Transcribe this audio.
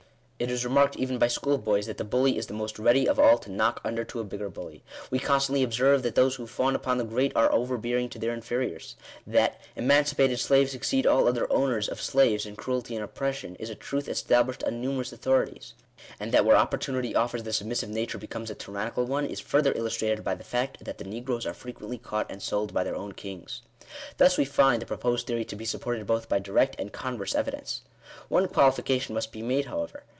It is remarked even by school boys, that the bully is the most ready of all to knock under to a bigger bully. We constantly observe that those who fawn upon the great are overbearing to their inferiors. That " emancipated slaves exceed all other owners (of slaves) in cruelty and oppression," ' is a truth established on numerous authorities. And that where opportunity offers the submissive nature becomes a tyrannical one, is further illustrated by the fact, that the negroes are frequently caught and sold by their own kings. Thus we find the proposed theory to be supported both by direct and converse evidence. One qualification must be made, however.